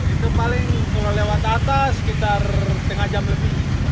itu paling kalau lewat atas sekitar setengah jam lebih